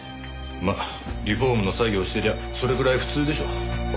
まあリフォームの作業してりゃそれくらい普通でしょ。